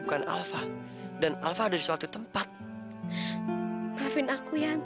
belum man dapet duit udah ribut